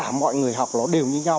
tất cả mọi người học nó đều như nhau